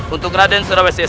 untuk karaden surabaya